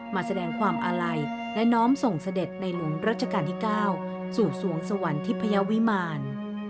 มาแสดงความอาลัยและน้อมส่งเสด็จในหลวงรัชกาลที่๙สู่สวงสวรรค์ทิพยาวิมาร